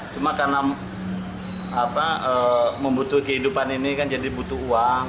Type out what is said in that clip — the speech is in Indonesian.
cuma karena membutuhkan kehidupan ini kan jadi butuh uang